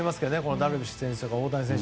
ダルビッシュ選手とか大谷選手。